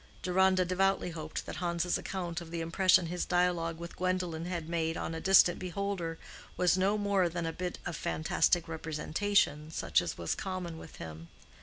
Deronda devoutly hoped that Hans's account of the impression his dialogue with Gwendolen had made on a distant beholder was no more than a bit of fantastic representation, such as was common with him.